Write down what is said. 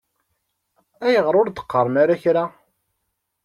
Ayɣer ur d-qqaṛen kra?